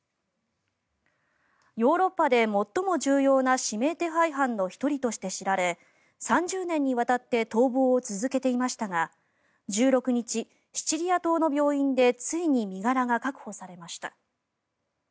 ヨーロッパで最も重要な指名手配犯の１人として知られ３０年にわたって逃亡を続けていましたが１６日、シチリア島の病院でついに身柄が確保されました。